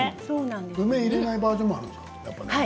梅を入れないバージョンもあるんですか？